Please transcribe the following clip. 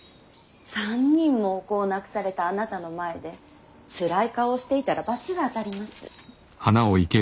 ３人もお子を亡くされたあなたの前でつらい顔をしていたら罰が当たります。